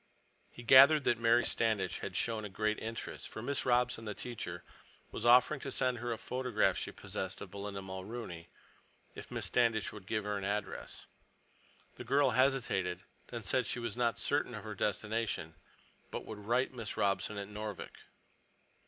He gathered that Mary Standish had shown a great interest, for Miss Robson, the teacher, was offering to send her a photograph she possessed of Belinda Mulrooney; if Miss Standish would give her an address. The girl hesitated, then said she was not certain of her destination, but would write Miss Robson at Noorvik.